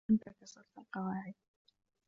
أنتَ كسرتَ القواعد.